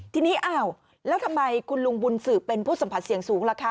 ทีนี้อ้าวแล้วทำไมคุณลุงบุญสืบเป็นผู้สัมผัสเสี่ยงสูงล่ะคะ